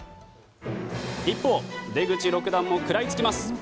一方、出口六段も食らいつきます。